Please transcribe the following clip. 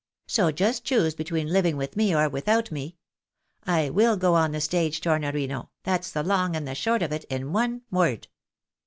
So just choose between living with me or without me. I will go on the stage, Tornorino, that's the long and the short of it, in one word.